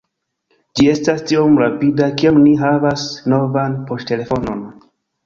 Ĝi estas tiom rapida kiam vi havas novan poŝtelefonon